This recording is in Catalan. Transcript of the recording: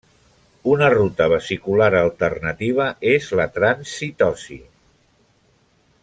Una ruta vesicular alternativa és la transcitosi.